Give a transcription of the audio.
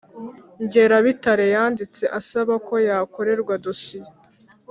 Ngera Bitare Yanditse asaba ko yakorerwa dosiye